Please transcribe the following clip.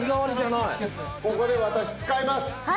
ここで私使います。